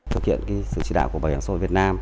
thực hiện sự chỉ đạo của bảo hiểm xã hội việt nam